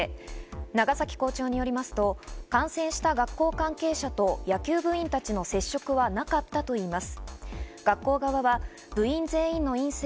長崎校長によりますと、感染した学校関係者と野球部員たちの接触はなかったといいます。